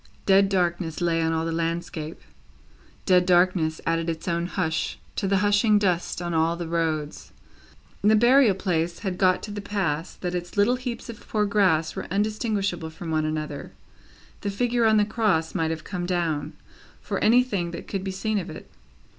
Dead darkness lay on all the landscape, dead darkness added its own hush to the hushing dust on all the roads. The burial place had got to the pass that its little heaps of poor grass were undistinguishable from one another; the figure on the Cross might have come down, for anything that could be seen of it.